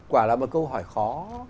quả là một câu hỏi khó